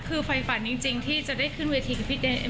คือไฟฝันจริงที่จะได้ขึ้นเวทีกับพี่ตีนาสักที